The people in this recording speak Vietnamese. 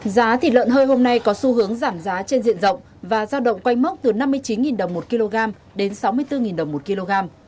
giá thịt lợn hơi hôm nay có xu hướng giảm giá trên diện rộng và giao động quanh mốc từ năm mươi chín đồng một kg đến sáu mươi bốn đồng một kg